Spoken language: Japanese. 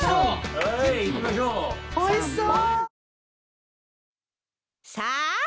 おいしそう。